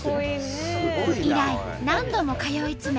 以来何度も通い詰め